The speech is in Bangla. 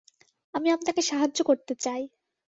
আমি আপনাকে সাহায্য করতে চাই।